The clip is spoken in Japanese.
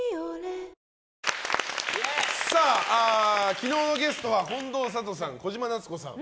昨日のゲストが近藤サトさん小島奈津子さん